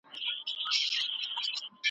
د دنیا لمن ده پراخه عیش او نوش یې نه ختمیږي `